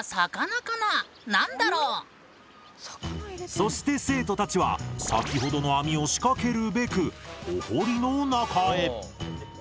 そして生徒たちは先ほどの網を仕掛けるべくお堀の中へ。